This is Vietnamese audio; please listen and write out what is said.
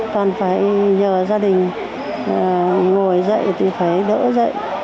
còn phải nhờ gia đình ngồi dậy thì phải đỡ dậy